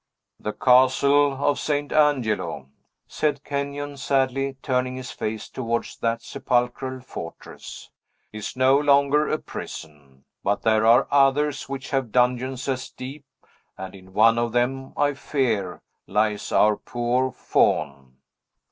"The Castle of Saint Angelo," said Kenyon sadly, turning his face towards that sepulchral fortress, "is no longer a prison; but there are others which have dungeons as deep, and in one of them, I fear, lies our poor Faun."